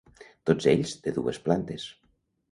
Tots ells de dues plantes.